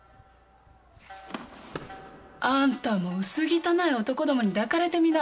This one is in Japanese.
あんたも薄汚い男どもに抱かれてみな！